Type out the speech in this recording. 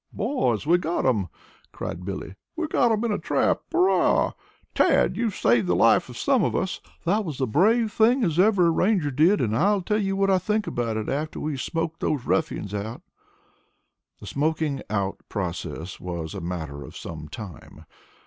"Boys, we've got 'em!" cried Billy. "We've got 'em in a trap. Hurrah! Tad, you've saved the lives of some of us. That was as brave a thing as ever a Ranger did and I'll tell you what I think about it after we have smoked those ruffians out." The smoking out process was a matter of some time.